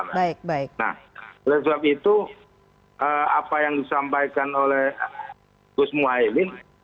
nah oleh sebab itu apa yang disampaikan oleh gus muhaymin